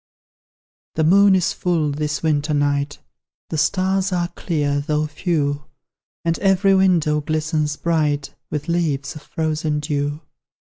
The moon is full this winter night; The stars are clear, though few; And every window glistens bright With leaves of frozen dew.